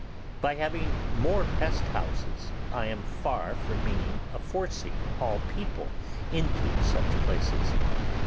By having more pest houses I am far from meaning a forcing all people into such places.